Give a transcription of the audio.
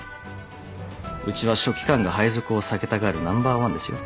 うちは書記官が配属を避けたがるナンバーワンですよ。